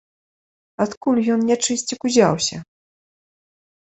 Адкуль ён, нячысцік, узяўся?